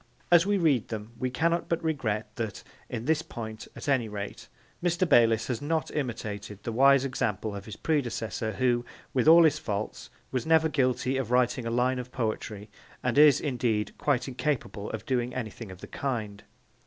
As we read them we cannot but regret that, in this point at any rate, Mr. Bayliss has not imitated the wise example of his predecessor who, with all his faults, was never guilty of writing a line of poetry, and is, indeed, quite incapable of doing anything of the kind.